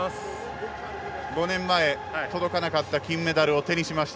５年前、届かなかった金メダルを手にしました。